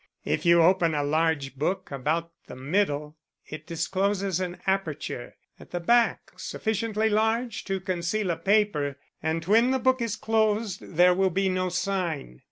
If you open a large book about the middle it discloses an aperture at the back sufficiently large to conceal a paper, and when the book is closed there will be no sign.